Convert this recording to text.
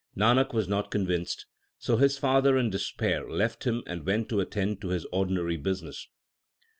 Nanak was not con vinced, so his father in despair left him and went to attend to his ordinary business.